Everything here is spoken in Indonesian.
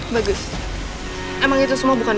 bagus emang itu semua bukan